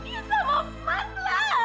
iya sama pak lah